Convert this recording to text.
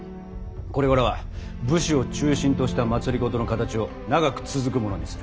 これからは武士を中心とした政の形を長く続くものにする。